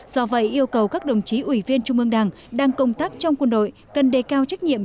do vậy yêu cầu các đồng chí ủy viên trung ương đảng đang công tác trong quân đội cần đề cao trách nhiệm